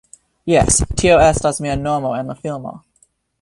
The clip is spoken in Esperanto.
Jes tio estas mia nomo en la filmo.